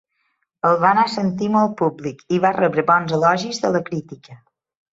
El va anar a sentir molt públic i va rebre bons elogis de la crítica.